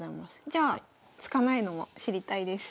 じゃあ突かないのも知りたいです。